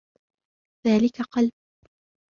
ذلك قلب.